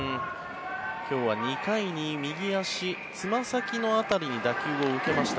今日は２回に右足つま先の辺りに打球を受けました